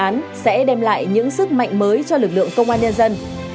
và nó sẽ đem lại những sức mạnh mới cho lực lượng công an nhân dân